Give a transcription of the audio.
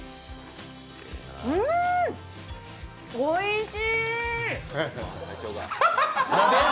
うん、おいしい！